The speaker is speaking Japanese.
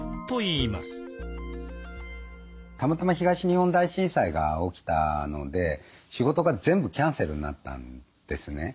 たまたま東日本大震災が起きたので仕事が全部キャンセルになったんですね。